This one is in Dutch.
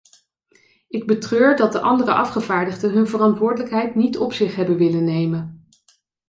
Ik betreur dat de andere afgevaardigden hun verantwoordelijkheid niet op zich hebben willen nemen.